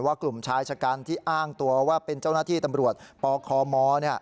กลุ่มชายชะกันที่อ้างตัวว่าเป็นเจ้าหน้าที่ตำรวจปคม